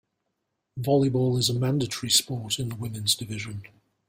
Volleyball is a mandatory sport in the women's division.